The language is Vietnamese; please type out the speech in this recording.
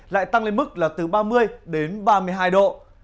lại tăng lên mức là từ ba mươi đến ba mươi hai độ